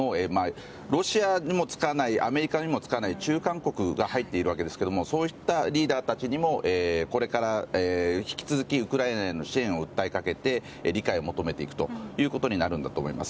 ロシアにもつかないアメリカにもつかない中間国が入っているわけですけどそういったリーダーたちにもこれから引き続きウクライナへの支援を訴えかけて理解を求めていくということになるんだと思います。